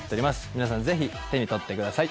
皆さんぜひ手に取ってください